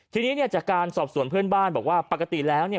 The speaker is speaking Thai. ครับที่นี้จะการสอบส่วนเพื่อนบ้านบอกว่าปกติแล้วเนี่ย